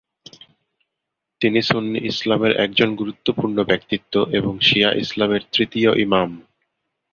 তিনি সুন্নি ইসলামের একজন গুরত্বপূর্ণ ব্যক্তিত্ব এবং শিয়া ইসলামের তৃতীয় ইমাম।